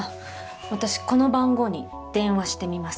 私この番号に電話してみます